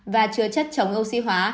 và chứa chất chống oxy hóa